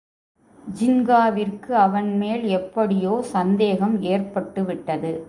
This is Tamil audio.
ஜின்காவிற்கு அவன்மேல் எப்படியோ சந்தேகம் ஏற்பட்டு விட்டது.